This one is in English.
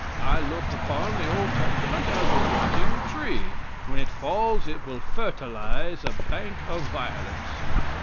I look upon the Old Testament as a rotting tree. When it falls it will fertilize a bank of violets.